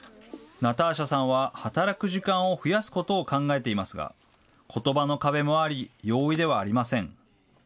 ナターシャさんは働く時間を増やすことを考えていますが、ことばの壁もあり、容易ではありません。